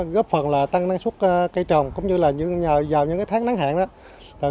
góp phần là tăng năng suất cây trồng cũng như là vào những cái tháng nắng hạn đó